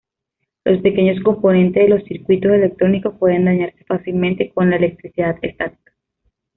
Los pequeños componentes de los circuitos electrónicos pueden dañarse fácilmente con la electricidad estática.